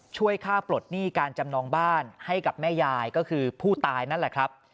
ช่วยค่าปลดหนี้การจำนองบ้านให้กับแม่ยายก็คือผู้ตายนั่นแหละครับ